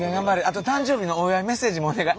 あと誕生日のお祝いメッセージもお願い。